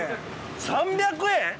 ３００円